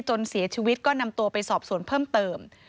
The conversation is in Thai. จนเสียชีวิตก็นำตัวไปสอบสวนเพิ่มเติม